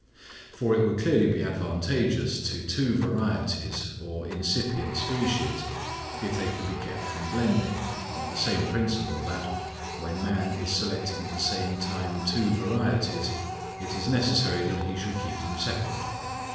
For it would clearly be advantageous to two varieties or incipient species if they could be kept from blending, on the same principle that, when man is selecting at the same time two varieties, it is necessary that he should keep them separate.